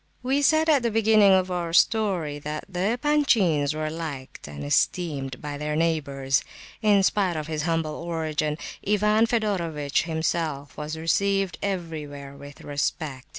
We said at the beginning of our story, that the Epanchins were liked and esteemed by their neighbours. In spite of his humble origin, Ivan Fedorovitch himself was received everywhere with respect.